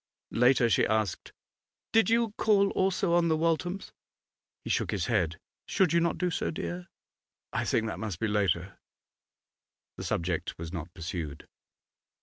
Later, she asked 'Did you call also on the Walthams?' He shook his head. 'Should you not do so, dear? 'I think that must be later.' The subject was not pursued.